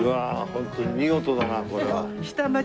ホントに見事だなこれは。